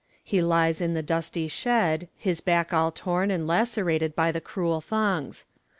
He lies in the dusty shed, his back all torn and lacerated by the cruel thongs.